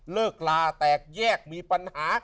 เลิกลาแตกแยกมีปัญหา